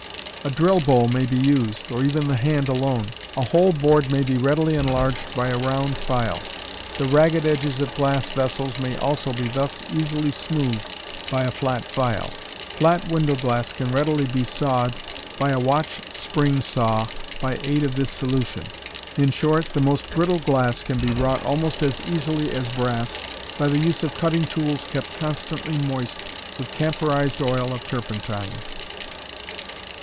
A drill bow may be used, or even the hand alone. A hole bored may be readily enlarged by a round file. The ragged edges of glass vessels may also be thus easily smoothed by a flat file. Flat window glass can readily be sawed by a watch spring saw by aid of this solution. In short, the most brittle glass can be wrought almost as easily as brass by the use of cutting tools kept constantly moist with camphorized oil of turpentine.